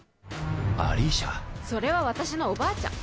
それは私のおばあちゃん。